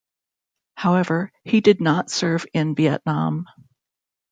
However, he did not serve in Vietnam.